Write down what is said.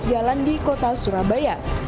di sejumlah ruas jalan di kota surabaya